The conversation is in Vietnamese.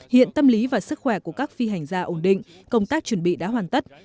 hiện tâm lý và sức khỏe của các phi hành gia ổn định công tác chuẩn bị đã hoàn tất